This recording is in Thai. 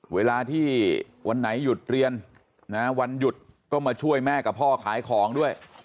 เวลาที่วันไหนหยุดเรียนวันหยุดก็มาช่วยแม่กับพ่อขายของด้วย